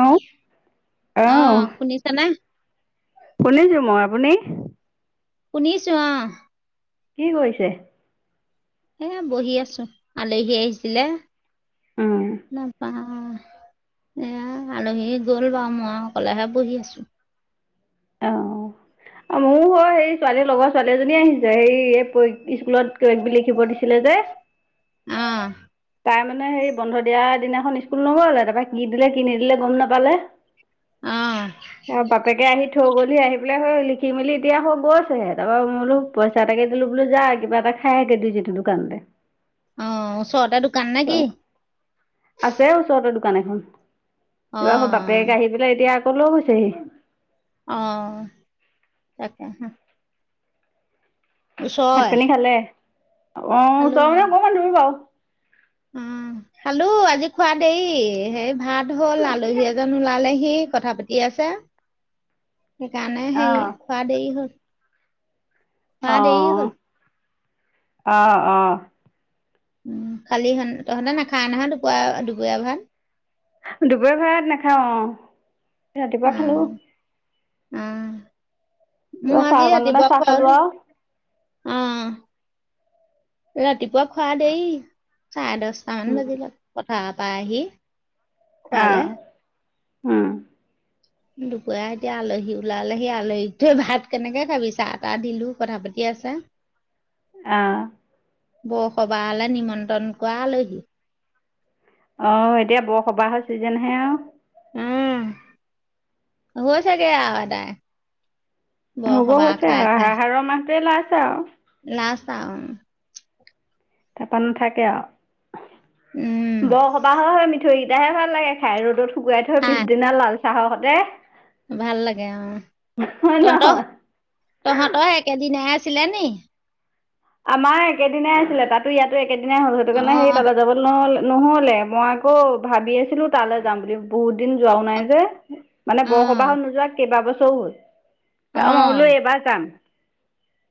Hello অ অহ শুনিছা নে শুনিছো মই আপুনি শুনিছো অ কি কৰিছে এ বহি আছো আলহী আহিছিলে উম নাপা এইয়া আলহী গ'ল বাৰু মই অকলেহে বহি আছোঁ অঁ আ মইও সেই ছোৱালী লগৰ ছোৱালী এজনী আহিছে সেই স্কুলত কিবা কিবি লিখিব দিছিলে যে [inaudible] আ তাই মানে হেৰি বন্ধ দিয়া দিনাখন স্কুল নগ'লে তাৰপৰা কি দিলে কি নিদিলে গম নাপালে আহ ইয়াৰ বাপেকে আহি থৈ গল। গধূলি আহিপেলাই সেই লিখি মেলি এতিয়া হৈ গৈছেহে তাৰ পৰা মই বোলো পইচা এটাকে দিলোঁ বোলো যা কিবা এটা হে গ ডিজিটোি দোকানতে অ ওচৰতে দোকান নে কি? আছে ওচৰতেৰ দোকান এখন অ কিবা আকৌ বাপেকে আহি প এতিয়া আকৌ লৈ গৈছেহি। অ তাকে হ ভাত ওচৰৰে পানী খালে অ খালো ওচৰ মানে অকণমান দূৰ বাৰু অ খালো আজি খোৱা দেৰি হেই ভাত হ'ল আলহী এজন ওলালেহি কথা পাতি আছে। সেইকাৰণে সে অ', খোৱা দেৰি হ'ল খোৱা অ দেৰি হ'ল আহ অ উ খালিহ তহঁতে নাখায় নহয় দুপাৰ দুপৰীয়া ভাত দুপৰীয়া ভাত নাখাও অ ৰাতিপুৱা অ খালোঁ। অ মই কিবা চাহ আজি অকণ বনাই ৰাতিপুৱা চাহ খুৱা খালোঁ হলেই। আৰু অ ৰাতিপুৱা খোৱা দেৰি চাৰে দহ ছামান উম, বাজিলত কথা পাই আহি [unintelligible] অ খোৱালে। উম দুপৰীয়া এতিয়া আলহী ওলালেহি সেই আলহী ক থৈ ভাত কেনেকে খাবি চাটা দিলো কথা পাতি আছে। অ বৰসবাহলে নিমন্ত্ৰণ কৰা আলহী অ এতিয়া বৰসবাহৰ ছিজনহে আৰু উম হৈছেগে আৰু এডাই হব হৈছে আহাৰৰ মাহতোৱে লাষ্ট আৰু লাচট আৰু তাৰপা নাথাকে উম, আৰু বৰ সবাহ হয় মিঠৈত সদাহে ভাল লাগে খাই ৰ'দত শুকুৱাই থৈ খাই পিছদিনা লাল চাহৰ সতে ভাল লাগে অ হয় তহঁতৰ নহয়? তহঁতৰ একেদিনাই আছিলে নি? আমাৰ একেদিনাই আছিলে তাতো ইয়াতো একেদিনাই হল সেইটো কাৰণে সেই অ' তলে যাব নহল নহলে মই আকৌ ভাবি আছিলো তালৈ যাম বুলি বহুত দিন যোৱাও নাই যে, মানে অ' বৰসবাহত নোযোৱা কেইবাবছৰো হ'ল ত মইবোলো অ' এবাৰ যাম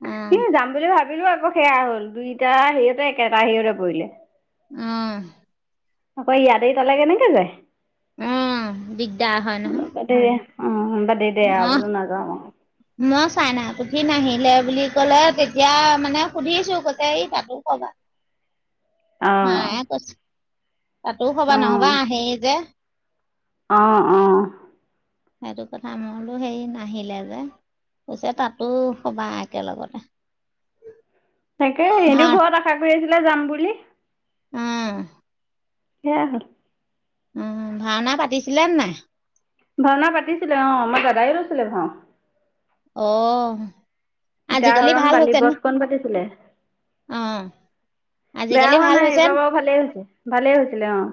অ' সি যাম বুলি ভাবিলো আকৌ সেয়া হল দুইটা সেহঁতে একেটা সেহতে পৰিলে উম আকৌ ইয়াতে তলে কেনেকে যায় অ দিগদাৰ হয় নহয় বাদে দে অ বাদে দে মই আবুলো নাযাওঁ। মই চাই ন পুঠি নাহিলে বুলি কলে তেতিয়া মানে সুধিছো গোতে এই তাতো কবাত অও মায়ে কৈছে তাতো হবা অঁ নহবা আহেই যে অঁ অঁ সেইটো কথা মোৰো সেই নাহিলে যে পিছে তাতো সবা একেলগতে। তাকে এনেও ভাল ঘৰত আশা কৰি আছিলে যাম বুলি উ সেয়া হ'ল। উম, ভাওনা পাতিছিলে নে নাই? ভাওনা পাতিছিলে অ' আমাৰ দাদাও লৈছিলে ভাও। অ'। আজিকালি সীতাহৰণ ভাল বালি হৈছে নে? বথখন পাতিছিলে। অ', বেয়া আজিকালি হোৱা ভাল নাই হৈছে ন? এইবাৰ বাৰু ভালেই হৈছে ভালেই হৈছিলে অ'।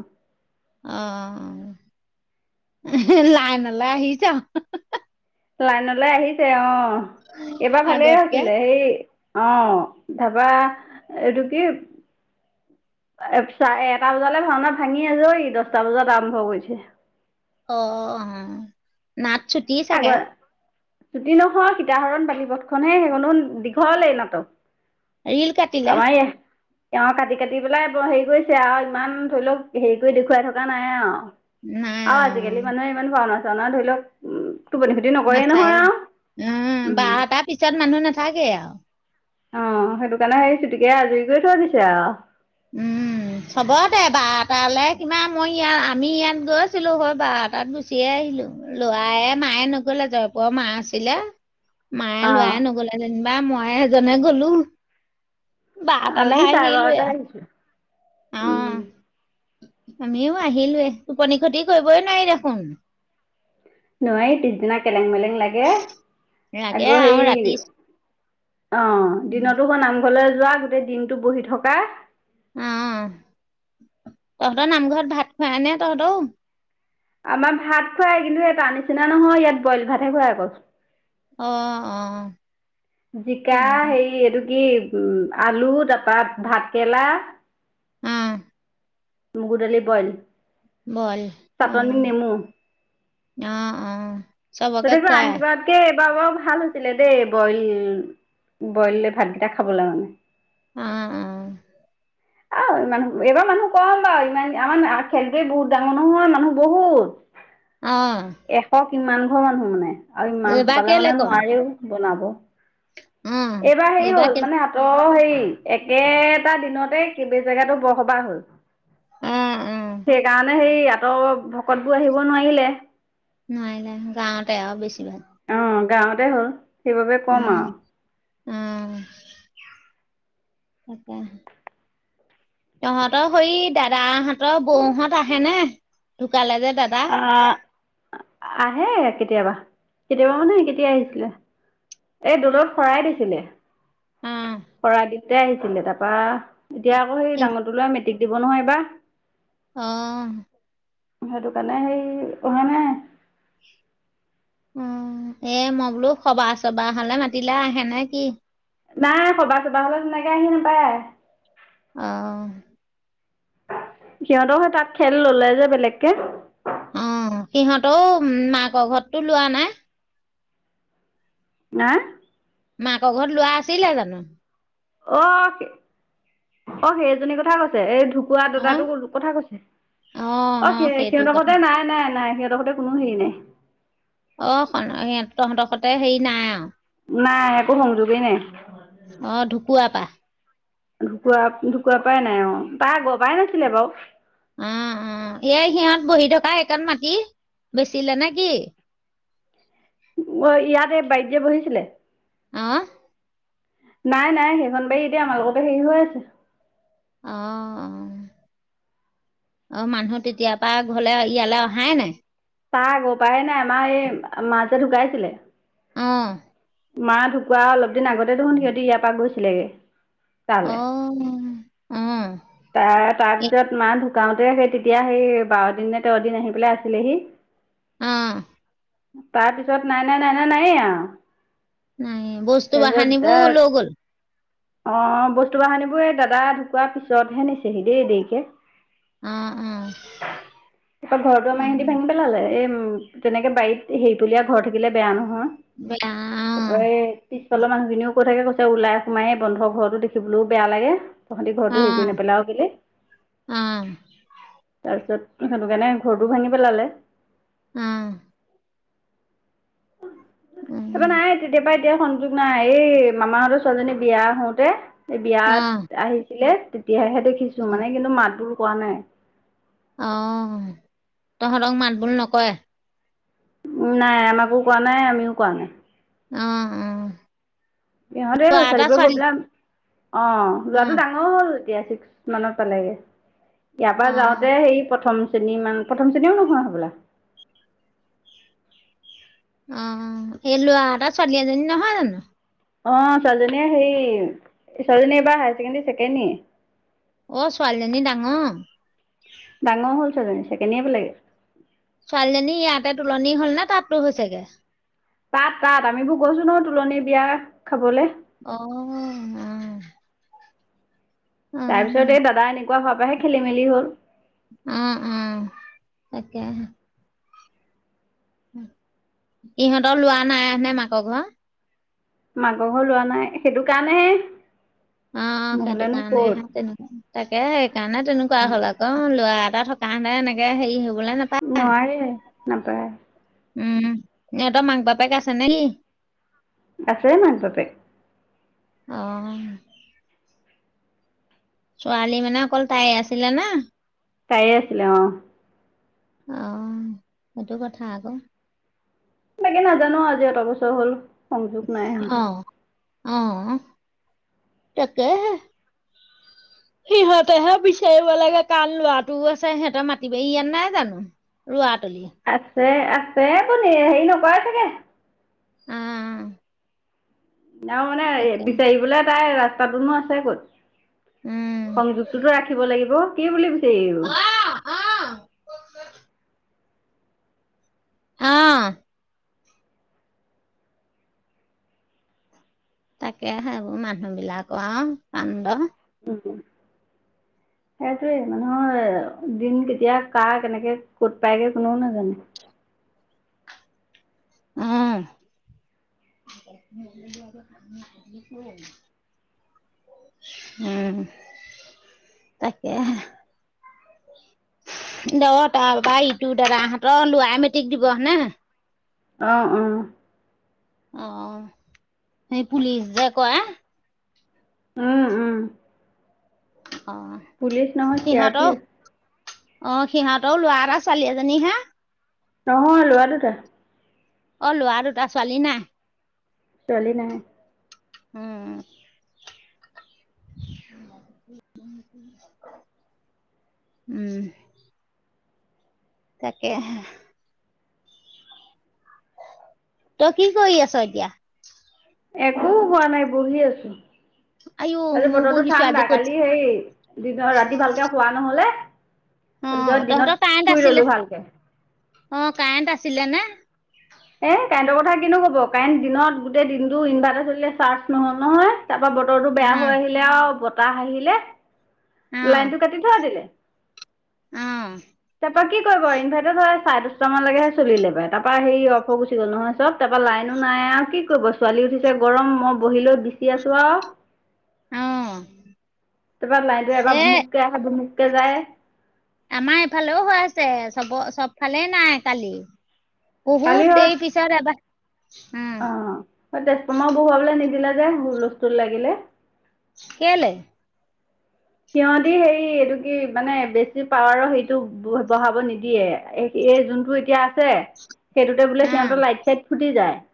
অ', লাইনলৈ আহিছে আৰু। লাইনলৈ আহিছে অ' এইবাৰ ভালেই আগতকে। হৈছিলে। হেৰি অ', তাৰপা এইটো কি এটা বজালৈ ভাওনাত ভাঙি আজৰি দহটা বজাত আৰম্ভ কৰিছে। অ', নাট ছুটি চাগে? চুটি নহয় সীতাহৰণ বালি বথখনহে সেইখনো দীঘলে নাটক। ৰিল কাটিলে আমাৰ এয়া তেওঁ কাটি কাটি পেলাই ব হেৰি কৰিছে আৰু ইমান ধৰি লওঁক হেৰি কৰি দেখুৱাই থকা নাই আৰু। নাই আৰু আজিকালি অ', মানুহে ইমান ভাওনা চাওনা ধৰি লওঁক উম টোপনি খতি নকৰেই নহয় নাচায় আৰু উম উম বাৰটাৰ পিছত মানুহ নাথাকে আৰু। অ', সেইটো কাৰণে সেই চুটিকে আজুৰি কৰি থৈ দিছে আৰু। উম। চবতে বাৰটালৈ কিমান মই ইয়াত আমি ইয়াত গৈছিলো হয় বাৰটাত গুচিয়ে আহিলো। ল'ৰা মায়ে নগ'লে জয়পুৰৰ মা আছিলে। মায়ে অ ল'ৰাই নগ'লে যেনিবা মইয়ে এজনে গ'লো। আমি বাৰটালে চাৰে আহিলোই বাৰটাত আৰু। আহিছো অ উম। আমিও আহিলোয়ে টোপনি ক্ষতি কৰিবই নোৱাৰি দেখোন। নোৱাৰি পিছদিনা কেলেং মেলেং লাগে। লাগে আকৌ আৰু ৰাতি হেৰি অ', উম, দিনতো হৌ নামঘৰলৈ যোৱা গোটেই দিনটো বহি থকা। অ', তহঁতৰ নামঘৰত ভাত খোৱাই নে তহঁতৰো? আমাৰ ভাত খোৱাই কিন্তু তাৰ নিচিনা নহয় ইয়াত বইল ভাতহে খুৱাই আকল। অ', অ'। অ জিকা হেৰি এইটো কি উম আলু তাৰপা ভাত কেৰেলা। অ মগু দালি বইল। বইল চাটনি নেমু অ' আহ অ'। চবকে [unintelligible] আন খুৱাই কিবাত কে এইবাৰ বাৰু ভাল হৈছিলে দেই বইল বইল ভাতকেইটা খাবলৈ মানে। অ', অ'। আৰু ইমান এবাৰ মানুহ কম বাৰু ইমান আমাৰ খেলটোৱে বহুত ডাঙৰ নহয় মানুহ বহুত। [inaudible] অ'। এশ কিমান ঘৰ মানুহ মানে আৰু ইমান এইবাৰ খোপালে কেলে মানে কম নোৱাৰেও বনাব। অ এইবাৰ হেৰি হ'ল মানে ত হেৰি একেটা দিনতে কেইবে জেগাতো বৰসবাহ হ'ল। অ অ সেইকাৰণে হেৰি আতৰৰ ভকতবোৰ আহিব নোৱাৰিলে। নোৱাৰিলে গাঁৱতে আৰু বেছি ভাগ। অ', গাঁৱতে হ'ল সেইবাবে কম আৰু। উম, তাকে। তহঁতৰ সই দাদাহঁতৰ বৌহঁত আহে নে? ঢুকালে যে দাদা। অ, আহে কেতিয়াবা কেতিয়াবা মানে কেতিয়াই আহিছিলে। এই দো'লত শৰাই দিছিলে। অ শৰাই দিওতে আহিছিলে তাপা এতিয়া অ আকৌ সেই ডাঙৰটো ল'ৰা মেট্ৰিক দিব নহয় এইবা। অ। সেইকাৰণে সেই অহা নাই। অ, এ মই বোলো সবাহ-চবাহ হলে মাতিলে আহে নে কি? নাই সবা-চবা হ'লে তেনেকে আহি নাপায়। অহ। সিহঁতও হেই তাক খেল ল'লে যে বেলেগকে। অ, সিহঁতও মাক ঘৰততো লোৱা নাই? না। মাক ঘৰত লোৱা আছিলে জানো? অহ অ সেইজনী কথা কৈছে এই ধু কোৱা হা? দাদাতো কথা কৈছে, অ সি সিহঁতৰ ঘতে নাই নাই নাই সিহঁতৰ সতে কোনো হেৰি নাই। অ, [unintelligible] তহঁতৰ সতে হেৰি নাই আও। নাই একো একো সংযোগেই নাই। অ ঢুকুৱা পা। ঢুকুৱা ঢুকুৱা পাই নাই অ' তা আগৰ পৰাই নাছিলে বাৰু। অ অ এয়া সিহঁত বহি থকা সেইকণ মাটি বেচিলে নে কি? [unintelligible] ইয়াত বাইতে যে বহিছিলে। অ। নাই নাই সেইখন বাৰী এতিয়া আমাৰ লগতে হেৰি হৈ আছে। অ', অ', [inaudible] অ, মানুহ তেতিয়া পা ঘৰলে ইয়ালে অহাই নাই। তা আগৰ পায় নাই আমাৰ এই মা যে ঢুকাইছিলে অ। মা ঢুকুৱা অলপ দিন আগতে দেখোন সিহঁতি ইয়াৰ পৰা গৈছিলেগে। অ তালৈ উম। তাৰ তাৰপিছত মা ঢুকাওতেই সেই তেতিয়া সেই বাৰ দিননে তেৰদিন আহি পেলাই আছিলেহি। উম। তাৰ পিছত নাই, নাই, নাই, নাই, নায়েই আও। নায়েই, বস্তু বাহনিবোৰ লৈ গ'ল? অ বস্তু বাহানী বোৰ এই দাদা ঢুকোৱা পিছতহে নিছেহি দেই দেৰিকে। অ', অ', তাৰপা ঘৰতো আমাৰ ইহতি অ', ভাঙি পে লালে এ উম, তেনেকে বাৰীত হেৰিতলিয়া ঘৰ থাকিলে বেয়া নহয়। অ, [unintelligible] এই পিছফালৰ মানুহখিনিও কৈ থাকে কৈছে ওলাই সোমাই এই বন্ধৰ ঘৰতো দেখিবলৈও বেয়া লাগে। তহঁতি ঘৰতো হেৰি কৰি অ', নেপেলাঅ কেলে অ', তাৰপিছত সেইটো কাৰণে ঘৰটো ভাঙি পেলালে। উম। উম। তাপা নাই, তেতিয়াৰ পৰা এতিয়া সংযোগ নাই, এই মামাহঁতৰ ছোৱালীজনী বিয়া হওঁতে এই অ', বিয়াত আহিছিলে, তেতিয়াহে দেখিছো, মানে কিন্তু মাতবোল কৰা নাই। অ', তহঁতক মাতবোল নকৰে? নাই আমাকো কৰা নাই, আমিও কৰা নাই। অ', অ। ইহঁতেই ল'ৰা এটা ছোৱালীবোৰে গৈ ছোৱালী পেলাই, অ', ল'ৰাটো ডাঙৰ। হ'ল এতিয়া ছিক্স মানত পালেগে, ইয়াৰ পৰা অ', যাওঁতে হেৰি প্ৰথম প্ৰথম শ্ৰেণীওঁ নহয় হ'বলা। অ', অ, এই ল'ৰা এটা ছোৱালী এজনী নহয় জানো। অ', ছোৱালীজনীয়ে হেৰি, ছোৱালীজনী এইবাৰ হায়াৰ ছেকেণ্ডৰী ছেকেণ্ড ইয়েৰ। অ', ছোৱালীজনী ডাঙৰ। ডাঙৰ হ'ল ছোৱালী, চেকেণ্ড ইয়েৰ পালেগে। ছোৱালীজনী ইয়াতেই তোলনি হ'ল নে তাততো হৈছেগে? তাত তাত, আমিবোৰ গৈছো নহয়, তোলনী বিয়া খাবলৈ। অ', উম। তাৰপিছত এই দাদা এনেকুৱা হোৱাৰ পৰাহে খেলি মেলি হ'ল। উম উম, তাকেহে। ইহঁতৰ ল'ৰা নাই হয়নে মাকৰ ঘৰত। মাকৰ ঘৰৰ ল'ৰা নাই, সেইটো কাৰণেহে। অ', অ' সেইটো নহ'লেনো ক'ত কাৰণেহে তেনেকা তাকেহে সেইকাৰণে তেনেকুৱা হ'ল আকৌ। অ', লৰা এটা থকা হেতেন এনেকে হেৰি হ'বলে নাপায়। নোৱাৰে নাপায়। উম, ইহঁতৰ মাক বাপেক আছে নেকি? আছে মাক বাপেক। অহ। ছোৱালী মানে অকল তায়েই আছিলে নে? তায়েই আছিলে অহ। অ', সেইটো কথা আকৌ। বাকি নাজানো আৰু আজি অত' বছৰ হ'ল। সংযোগ নাই অহ, অহ, তাকেহে। [inaudible] সিহঁতেহে বিচাৰিব লাগে, কাৰন লৰাটোও আছে, সিহঁতৰ মাতিবাৰি ইয়াত নাই জানো? ৰোৱা তলি। আছে, আছে আপুনি হেৰি নকৰে চাগে। উম। মানে বিচাৰিলে তাই ৰাস্তাটোনো আছে ক'ত? উম। সংযোগতোটো ৰাখিব লাগিব, কি বুলি বিছাৰি আহিব? অ', অ', অ তাকে সেইবোৰ মানুহ বিলাকৰ আৰু কাণ্ড উ সেইটোৱে মানুহৰ দিন কেতিয়া কেতিয়া কেনেকে কত পায়গে কোনেও নাজানে উম উম তাকে দ তাৰপৰা ইটো দাদা হঁতৰ লৰাই মেট্ৰিক দিব হয় নে নহয় অ', অ'। অ', অ', সেই পুলিচ যে কৰে। উম-উম। [unintelligible] অঁ! [unintelligible] পুলিচ নহয় চি আৰ সিহঁত‌ও পি এফ অঁ! সিহঁতৰো ল'ৰা এটা ছোৱালী এজনীহে। [inaudible] নহয় ল'ৰা দুটা। [unintelligible] অ! ল'ৰা দুটা। ছোৱালী নাই? [unintelligible] ছোৱালী নাই। [inaudible] উম-উম [inaudible] [unintelligible] উম। তাকেহে [inaudible] তই কি কৰি আছ এতিয়া? [unintelligible] একো হোৱা নাই বহি আছো। আইও আজি ময়ো বতৰটো বহিছো ঠাণ্ডা আজি ক'ত কালি হেই [unintelligible] দিনৰ ৰাতি ভালকে শুৱা নহলে অ', তাৰপিছত তহঁতৰ দিনত শুই ললোঁ ভালকে। [unintelligible] অঁ! কাৰেণ্ট আছিলে নে? [unintelligible] এ কাৰেণ্টৰ কথা কিনো কব কাৰেণ্ট দিনত গোটেই দিনটো ইভাৰ্টাৰ চলিলে চাৰ্জ নহল নহয় তাৰপৰা ব [unintelligible] বতৰটো বেয়া অ', হৈ আহিলে আৰু বতাহ আহিলে লাইনটো কাটি থৈ দিলে। [inaudible] উম! [unintelligible] তাৰ পৰা কি কৰিব ইনভাৰ্টাৰ [unintelligible] হয় চাৰে দহটামান লেকেহে চলিলে বা তাৰপৰা হে [unintelligible] [inaudible] গুচি গ'ল নহয় চব তাৰপৰা লাইনো নাই আৰু কি কৰিব ছোৱালী উঠিছে গৰম মই বহি লৈ বিচি আছোঁ আৰু [unintelligible] উম! [unintelligible] তাৰপৰা লাইনটো এবাৰ ভুমুকে আহে ভুমুকে যায়। [inaudible] আমাৰ এইফালেও হৈ আছে চব চবফালে নাই কালি। [unintelligible] কালি বহুত হয় দেৰি পিছত এবাৰ উম [unintelligible] অঁ! তেজপুৰমাও বহুৱাবলে নিদিলে যে হূলস্থুল লাগিলে। [unintelligible] কেলে? [inaudible] সিহঁতি হেৰি এইটো কি মানে বেছি পাৱাৰৰ সেইটো বঢ়াব নিদিয়ে। [unintelligible] এই যোনটো এতিয়া আছে সেইটোতে বোলে সিহঁতেৰ লাইট-চাইট ফুটি যায়। [unintelligible]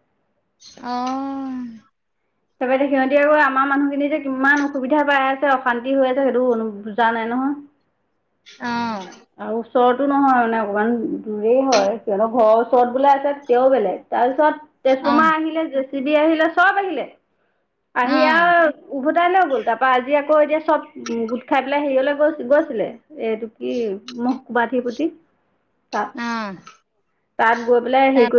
অঁ! [inaudible] তাৰপৰা সিহঁতি আকৌ আমাৰ মানুহখিনি যে কিমান অসুবিধা পাই আছে, অশান্তি হৈ আছে সেইটো বুজা নাই নহয়। [inaudible] [unintelligible] অঁ! [inaudible] আৰু ওচৰতো নহয় মানে অকমান দূৰে হয় কিয়নো ঘৰৰ ওচৰত বোলে আছে তেতিয়াও বেলেগ। [unintelligible] তাৰপিছত তেজপমা অ', আহিলে, জে চে বি আহিলে, চব আহিলে [inaudible] আহি অ', আৰু উভতাই লৈ গ'ল তাৰ পৰা আজি [inaudible] আকৌ এতিয়া চব গোট খাই পেলাই হেৰিলৈ গৈ গৈছিলে। [unintelligible] এইটো কি মোক বাঠি প্ৰতিতি [inaudible] উম! [unintelligible] তাত গৈ পেলাই হেৰি কৰি [unintelligible]